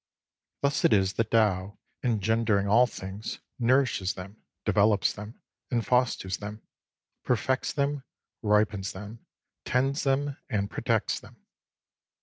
Thus it is that Tao, engendering all things, nourishes them, develops them, and fosters them ; perfects them, ripens them, tends them, and pro tects them.